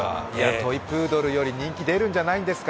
トイプードルより人気出るんじゃないですか？